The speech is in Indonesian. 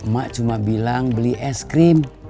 mak cuma bilang beli es krim